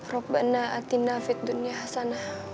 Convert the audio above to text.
rukbana atinna fit dunya hasanah